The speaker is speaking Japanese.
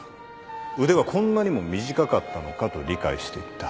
「腕はこんなにも短かったのか」と理解していった。